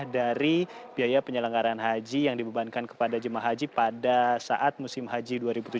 dari biaya penyelenggaran haji yang dibebankan kepada jemaah haji pada saat musim haji dua ribu tujuh belas